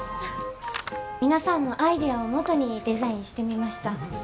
皆さんのアイデアを基にデザインしてみました。